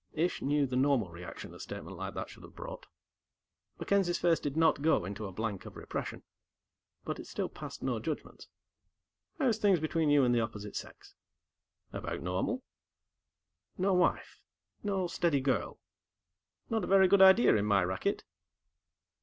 Ish knew the normal reaction a statement like that should have brought. MacKenzie's face did not go into a blank of repression but it still passed no judgements. "How's things between you and the opposite sex?" "About normal." "No wife no steady girl." "Not a very good idea, in my racket."